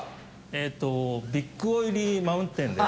えっとビッグオイリーマウンテンです。